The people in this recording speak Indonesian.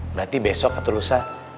berarti besok atau lusa